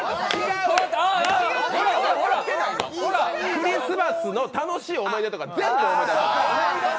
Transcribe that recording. クリスマスの楽しい思い出とか全部思い出してる。